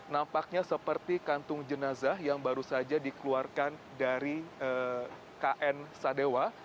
nampaknya seperti kantung jenazah yang baru saja dikeluarkan dari kn sadewa